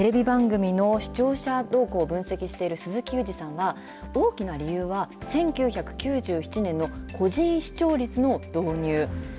テレビ番組の視聴者動向を分析している鈴木祐司さんは、大きな理由は１９９７年の個人視聴率の導入。